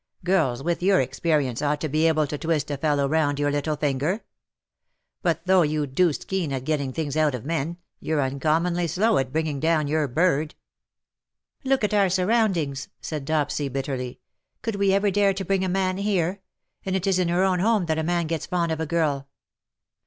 Girls with your experience ought to be able to twist a fellow round your little finger. But though you're deuced keen at getting things out of men, you're uncommonly slow at bringing down your bird." '^ Look at our surroundings," said Dopsy bitterly. " Could we ever dare to bring a man here ; and it is in her own home that a man gets fond of a girl."